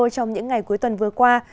trong những ngày cuối tuần vừa qua